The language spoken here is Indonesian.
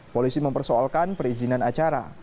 polisi mempersoalkan perizinan acara